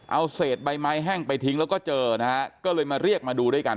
เอาเศษใบไม้แห้งไปทิ้งแล้วก็เจอนะฮะก็เลยมาเรียกมาดูด้วยกัน